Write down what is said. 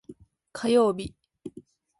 火曜日